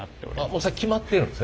もう決まってるんですね。